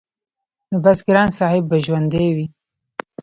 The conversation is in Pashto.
نو بس ګران صاحب به ژوندی وي-